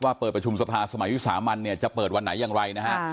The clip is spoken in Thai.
เปิดประชุมสภาสมัยวิสามันเนี่ยจะเปิดวันไหนอย่างไรนะฮะ